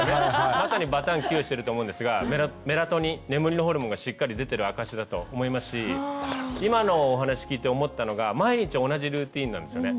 まさにバタンキューしてると思うんですがメラトニン眠りのホルモンがしっかり出てる証しだと思いますし今のお話聞いて思ったのが毎日同じルーティンなんですよね。